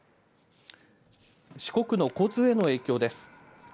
四国の交通への影響です。